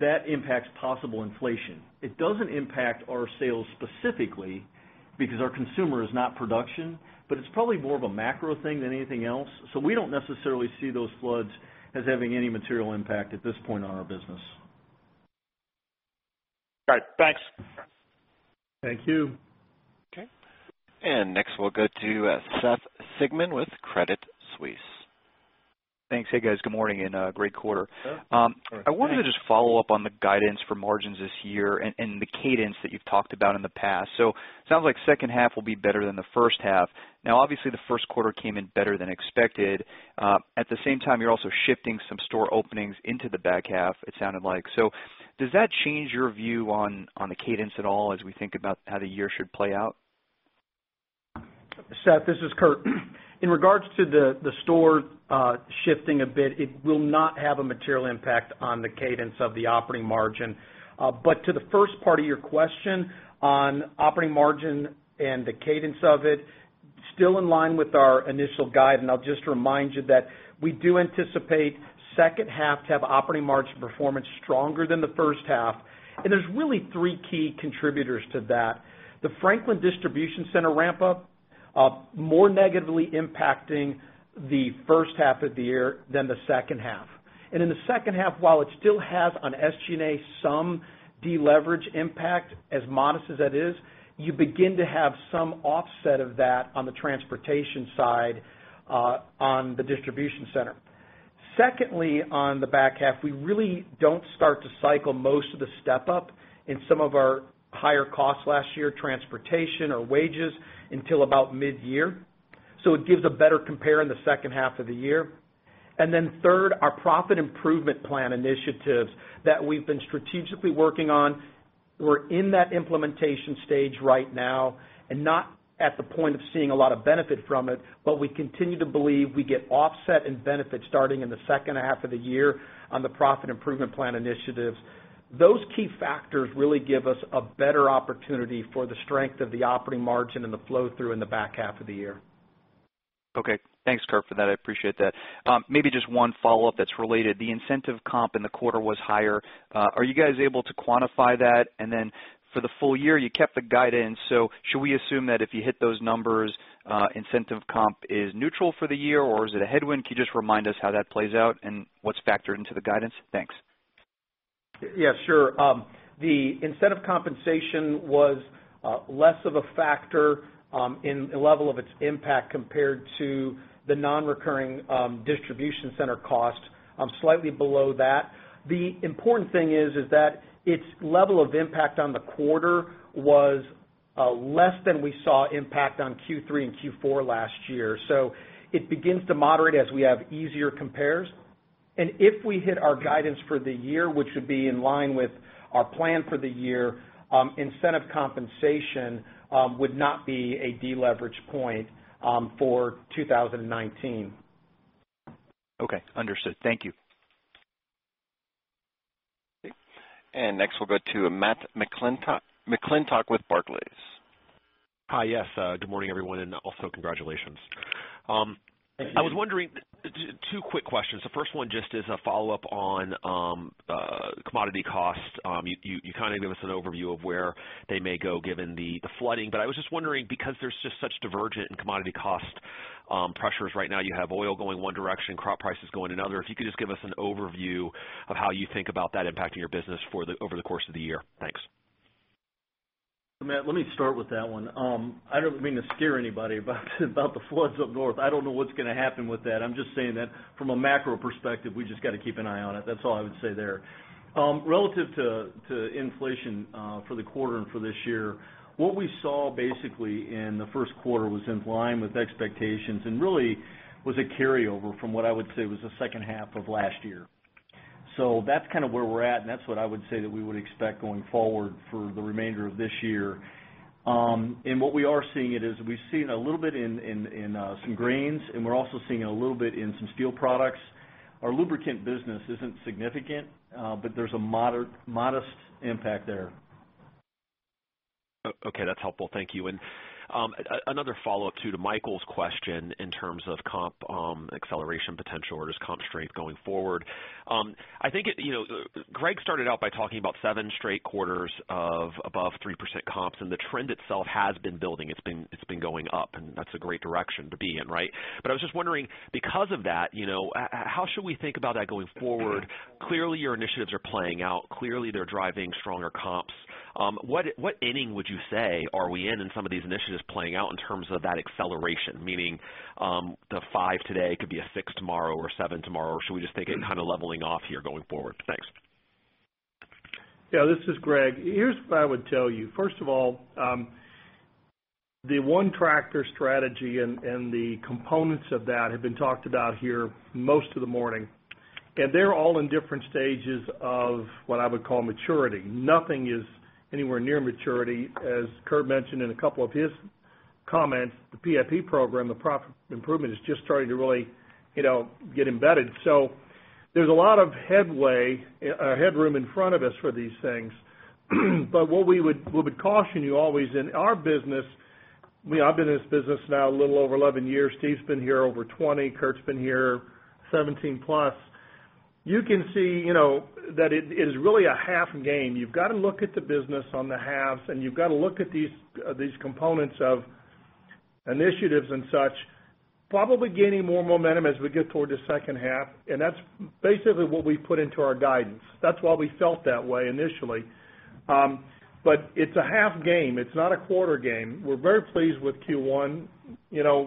that impacts possible inflation. It doesn't impact our sales specifically because our consumer is not production, it's probably more of a macro thing than anything else. We don't necessarily see those floods as having any material impact at this point on our business. All right. Thanks. Thank you. Okay. Next, we'll go to Seth Sigman with Credit Suisse. Thanks. Hey, guys. Good morning and great quarter. Seth. All right. I wanted to just follow up on the guidance for margins this year and the cadence that you've talked about in the past. It sounds like the second half will be better than the first half. Obviously, the first quarter came in better than expected. At the same time, you're also shifting some store openings into the back half, it sounded like. Does that change your view on the cadence at all as we think about how the year should play out? Seth, this is Kurt. In regards to the store shifting a bit, it will not have a material impact on the cadence of the operating margin. To the first part of your question on operating margin and the cadence of it, still in line with our initial guide. I'll just remind you that we do anticipate second half to have operating margin performance stronger than the first half, and there's really three key contributors to that. The Frankfort distribution center ramp-up, more negatively impacting the first half of the year than the second half. In the second half, while it still has on SG&A some deleverage impact, as modest as that is, you begin to have some offset of that on the transportation side on the distribution center. Secondly, on the back half, we really don't start to cycle most of the step-up in some of our higher costs last year, transportation or wages, until about mid-year. It gives a better compare in the second half of the year. Then third, our profit improvement plan initiatives that we've been strategically working on. We're in that implementation stage right now and not at the point of seeing a lot of benefit from it, but we continue to believe we get offset and benefit starting in the second half of the year on the profit improvement plan initiatives. Those key factors really give us a better opportunity for the strength of the operating margin and the flow-through in the back half of the year. Okay. Thanks, Kurt, for that. I appreciate that. Maybe just one follow-up that's related. The incentive comp in the quarter was higher. Are you guys able to quantify that? Then for the full year, you kept the guidance, so should we assume that if you hit those numbers, incentive comp is neutral for the year or is it a headwind? Can you just remind us how that plays out and what's factored into the guidance? Thanks. Yeah, sure. The incentive compensation was less of a factor in the level of its impact compared to the non-recurring distribution center cost, slightly below that. The important thing is that its level of impact on the quarter was less than we saw impact on Q3 and Q4 last year. It begins to moderate as we have easier compares. If we hit our guidance for the year, which would be in line with our plan for the year, incentive compensation would not be a deleverage point for 2019. Okay, understood. Thank you. Next we'll go to Matt McClintock with Barclays. Hi. Yes. Good morning, everyone, and also congratulations. Thank you. I was wondering, two quick questions. The first one just is a follow-up on commodity costs. You gave us an overview of where they may go given the flooding, I was just wondering, because there's just such divergent in commodity cost pressures right now, you have oil going one direction, crop prices going another. If you could just give us an overview of how you think about that impacting your business over the course of the year. Thanks. Matt, let me start with that one. I don't mean to scare anybody about the floods up north. I don't know what's going to happen with that. I'm just saying that from a macro perspective, we just got to keep an eye on it. That's all I would say there. Relative to inflation for the quarter and for this year, what we saw basically in the first quarter was in line with expectations and really was a carryover from what I would say was the second half of last year. That's where we're at, and that's what I would say that we would expect going forward for the remainder of this year. What we are seeing it is, we've seen a little bit in some grains, and we're also seeing a little bit in some steel products. Our lubricant business isn't significant, there's a modest impact there. Okay, that's helpful. Thank you. Another follow-up, too, to Michael's question in terms of comp acceleration potential or just comp strength going forward. I think Greg started out by talking about 7 straight quarters of above 3% comps. The trend itself has been building. It's been going up, and that's a great direction to be in, right? I was just wondering, because of that, how should we think about that going forward? Clearly, your initiatives are playing out. Clearly, they're driving stronger comps. What inning would you say are we in some of these initiatives playing out in terms of that acceleration? Meaning, the 5 today could be a 6 tomorrow or 7 tomorrow, or should we just take it leveling off here going forward? Thanks. Yeah, this is Greg. Here's what I would tell you. First of all, the ONETractor strategy and the components of that have been talked about here most of the morning, and they're all in different stages of what I would call maturity. Nothing is anywhere near maturity. As Kurt mentioned in a couple of his comments, the PIP program, the profit improvement, is just starting to really get embedded. There's a lot of headroom in front of us for these things. What we would caution you always in our business, I've been in this business now a little over 11 years, Steve's been here over 20, Kurt's been here 17 plus. You can see that it is really a half game. You've got to look at the business on the halves, and you've got to look at these components of initiatives and such, probably gaining more momentum as we get toward the second half. That's basically what we put into our guidance. That's why we felt that way initially. It's a half game. It's not a quarter game. We're very pleased with Q1.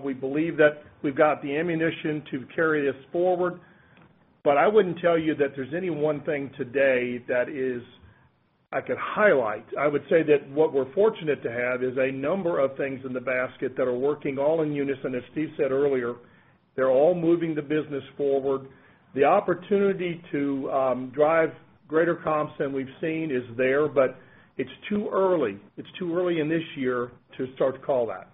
We believe that we've got the ammunition to carry us forward. I wouldn't tell you that there's any one thing today that I could highlight. I would say that what we're fortunate to have is a number of things in the basket that are working all in unison. As Steve said earlier, they're all moving the business forward. The opportunity to drive greater comps than we've seen is there, but it's too early in this year to start to call that.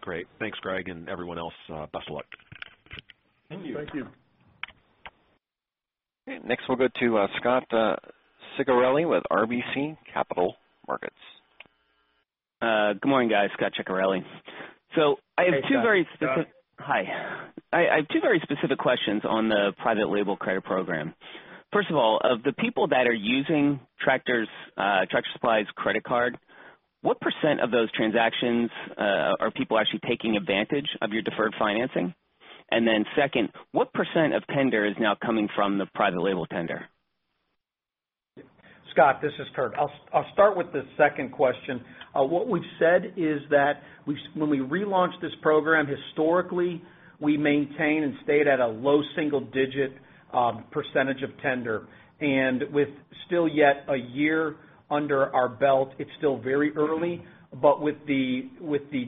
Great. Thanks, Greg, and everyone else, best of luck. Thank you. Next, we'll go to Scot Ciccarelli with RBC Capital Markets. Good morning, guys. Scot Ciccarelli. Hey, Scot. Hi. I have two very specific questions on the private label credit program. First of all, of the people that are using Tractor Supply's credit card, what % of those transactions are people actually taking advantage of your deferred financing? Second, what % of tender is now coming from the private label tender? Scot, this is Kurt. I'll start with the second question. What we've said is that when we relaunched this program, historically, we maintained and stayed at a low single-digit % of tender. With still yet a year under our belt, it's still very early, but with the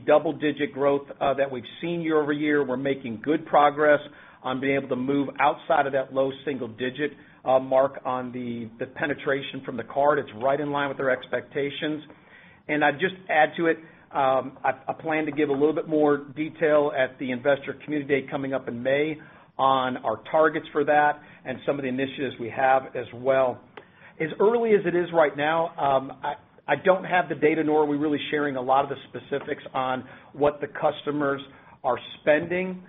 double-digit growth that we've seen year-over-year, we're making good progress on being able to move outside of that low single-digit mark on the penetration from the card. It's right in line with our expectations. I'd just add to it, I plan to give a little bit more detail at the Investment Community Day coming up in May on our targets for that and some of the initiatives we have as well. As early as it is right now, I don't have the data, nor are we really sharing a lot of the specifics on what the customers are spending,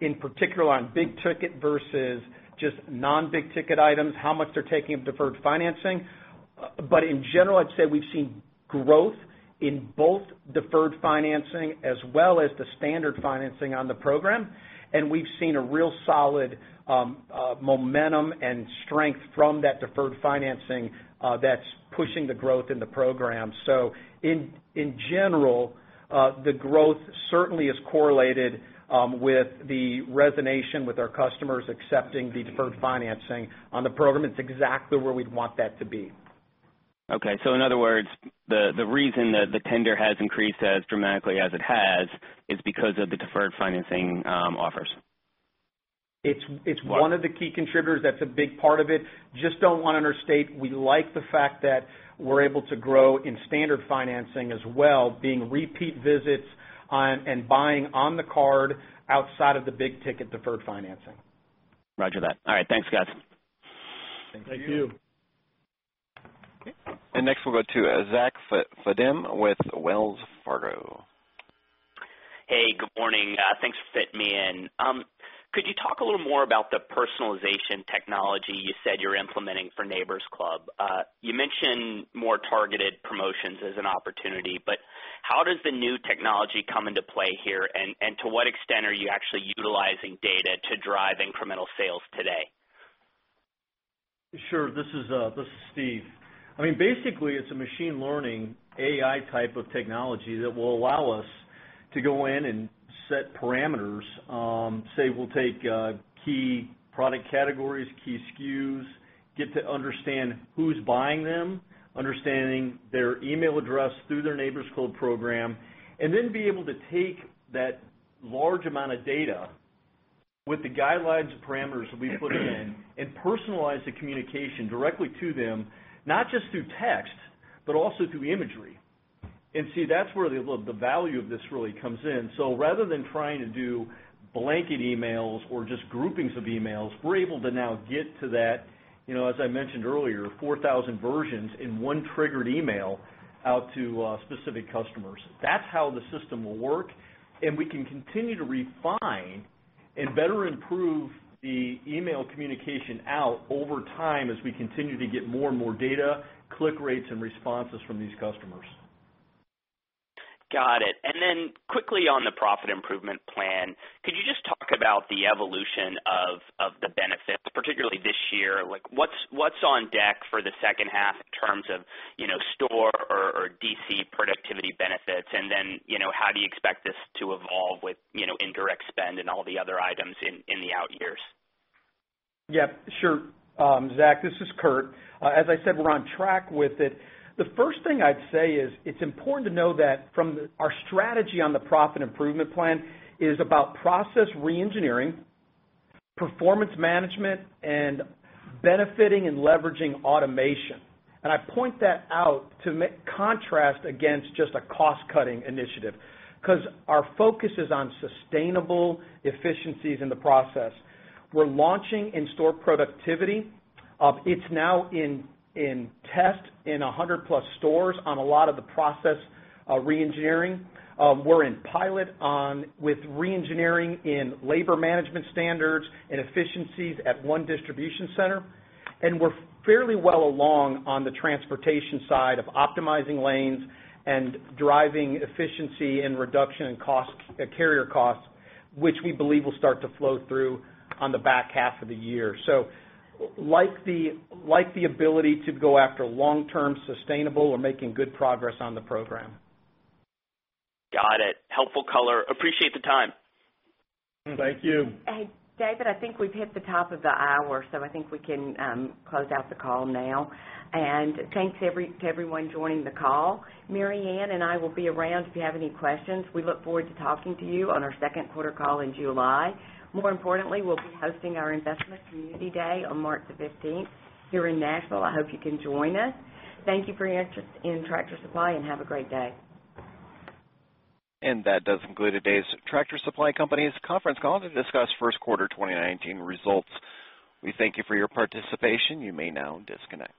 in particular on big ticket versus just non-big ticket items, how much they're taking of deferred financing. In general, I'd say we've seen growth in both deferred financing as well as the standard financing on the program, and we've seen a real solid momentum and strength from that deferred financing that's pushing the growth in the program. In general, the growth certainly is correlated with the resonation with our customers accepting the deferred financing on the program. It's exactly where we'd want that to be. Okay. In other words, the reason that the tender has increased as dramatically as it has is because of the deferred financing offers. It's one of the key contributors. That's a big part of it. Just don't want to understate, we like the fact that we're able to grow in standard financing as well, being repeat visits and buying on the card outside of the big ticket deferred financing. Roger that. All right. Thanks, guys. Thank you. Thank you. Next we'll go to Zachary Fadem with Wells Fargo. Hey, good morning. Thanks for fitting me in. Could you talk a little more about the personalization technology you said you're implementing for Neighbor's Club? You mentioned more targeted promotions as an opportunity, but how does the new technology come into play here, and to what extent are you actually utilizing data to drive incremental sales today? Sure. This is Steve. Basically, it's a machine learning AI type of technology that will allow us to go in and set parameters. Say, we'll take key product categories, key SKUs, get to understand who's buying them, understanding their email address through their Neighbor's Club program, then be able to take that large amount of data with the guidelines and parameters that we put in and personalize the communication directly to them, not just through text, but also through imagery. See, that's where the value of this really comes in. Rather than trying to do blanket emails or just groupings of emails, we're able to now get to that, as I mentioned earlier, 4,000 versions in one triggered email out to specific customers. That's how the system will work, we can continue to refine and better improve the email communication out over time as we continue to get more and more data, click rates, and responses from these customers. Got it. Quickly on the profit improvement plan, could you just talk about the evolution of the benefits, particularly this year? What's on deck for the second half in terms of store or DC productivity benefits, how do you expect this to evolve with indirect spend and all the other items in the out years? Yeah, sure. Zach, this is Kurt. As I said, we're on track with it. The first thing I'd say is, it's important to know that from our strategy on the profit improvement plan is about process re-engineering, performance management, and benefiting and leveraging automation. I point that out to contrast against just a cost-cutting initiative, because our focus is on sustainable efficiencies in the process. We're launching in-store productivity. It's now in test in 100-plus stores on a lot of the process re-engineering. We're in pilot with re-engineering in labor management standards and efficiencies at one distribution center. We're fairly well along on the transportation side of optimizing lanes and driving efficiency and reduction in carrier costs, which we believe will start to flow through on the back half of the year. Like the ability to go after long-term sustainable, we're making good progress on the program. Got it. Helpful color. Appreciate the time. Thank you. Hey, David, I think we've hit the top of the hour, so I think we can close out the call now. Thanks to everyone joining the call. Maryanne and I will be around if you have any questions. We look forward to talking to you on our second quarter call in July. More importantly, we'll be hosting our Investment Community Day on March the 15th here in Nashville. I hope you can join us. Thank you for your interest in Tractor Supply and have a great day. That does conclude today's Tractor Supply Company's conference call to discuss first quarter 2019 results. We thank you for your participation. You may now disconnect.